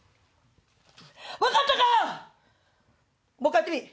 分かったか⁉もう一回やってみ！